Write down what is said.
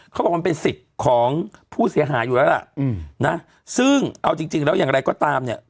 เขาบอกมันเป็นสิทธิ์ของผู้เสียหายอยู่แล้วล่ะนะซึ่งเอาจริงแล้วอย่างไรก็ตามเนี่ย